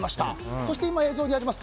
そして今、映像にあります